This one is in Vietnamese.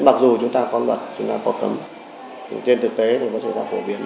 mặc dù chúng ta có luật chúng ta có cấm trên thực tế thì có xảy ra phổ biến